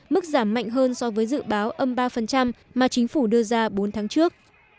mức giảm mạnh hơn so với dự báo âm ba mà chính phủ đưa ra bốn tháng trước